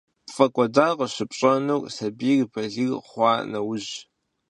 ПфӀэкӀуэдар къыщыпщӀэнур сабийр балигъ хъуа нэужьщ.